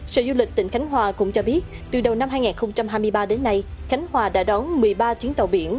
sở du lịch tỉnh khánh hòa cũng cho biết từ đầu năm hai nghìn hai mươi ba đến nay khánh hòa đã đón một mươi ba chuyến tàu biển